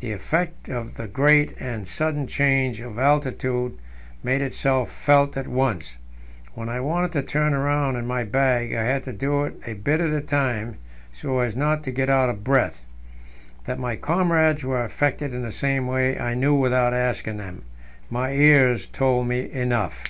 The effect of the great and sudden change of altitude made itself felt at once; when I wanted to turn round in my bag, I had to do it a bit at a time, so as not to get out of breath. That my comrades were affected in the same way, I knew without asking them; my ears told me enough.